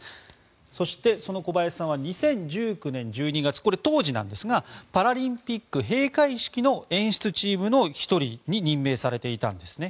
そして、その小林さんは２０１９年１２月、当時ですがパラリンピック閉会式の演出チームの１人に任命されていたんですね。